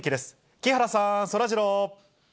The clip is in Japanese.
木原さん、そらジロー。